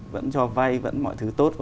vẫn cho vay vẫn mọi thứ tốt